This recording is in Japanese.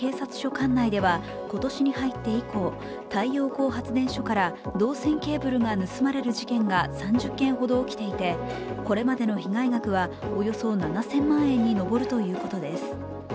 管内では今年に入って以降太陽光発電所から銅線ケーブルが盗まれる事件が３０件ほど起きていて、これまでの被害額はおよそ７０００万円に上るということです。